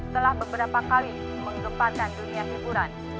telah beberapa kali menggempatkan dunia hiburan